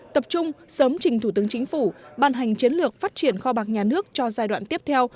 tập trung sớm trình thủ tướng chính phủ ban hành chiến lược phát triển kho bạc nhà nước cho giai đoạn tiếp theo